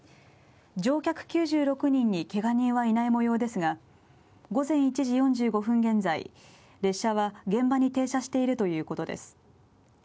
乗客９６人にけが人はいない模様ですが、午前１時４５分現在、列車は現場に停車しているということです。